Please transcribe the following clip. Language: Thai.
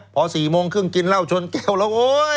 พอ๔โมงครึ่งกินเหล้าชนแก้วแล้วโอ๊ย